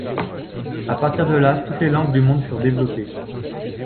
À partir de là, toutes les langues du monde furent développées.